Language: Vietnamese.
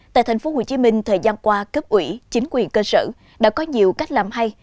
tại tp hcm thời gian qua cấp ủy chính quyền cơ sở đã có nhiều cách làm hay